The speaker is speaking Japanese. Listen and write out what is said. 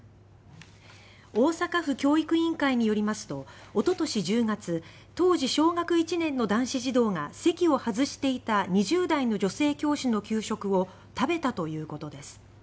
大阪府教育委員会によりますとおととし１０月当時、小学１年の男子児童が席を外していた２０代の女性教師の給食を食べたということです。